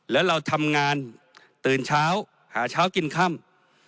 แล้วเราทำงานตื่นเช้าหาเช้ากินค่ำ